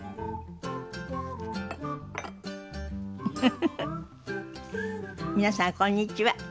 フフフフ皆さんこんにちは。